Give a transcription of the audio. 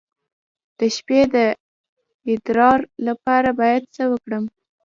د شپې د ادرار لپاره باید څه وکړم؟